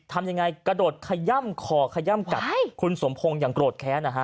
ทำยังไงกระโดดขย่ำคอขย่ำกัดคุณสมพงศ์อย่างโกรธแค้นนะฮะ